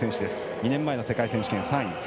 ２年前の世界選手権で３位。